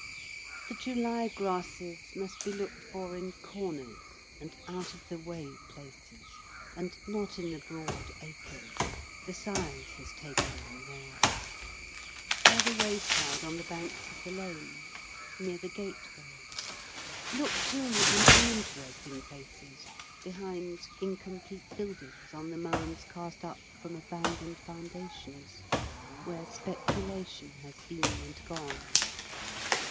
The July grasses must be looked for in corners and out of the way places, and not in the broad acres the scythe has taken them there. By the wayside on the banks of the lane, near the gateway look, too, in uninteresting places behind incomplete buildings on the mounds cast up from abandoned foundations where speculation has been and gone.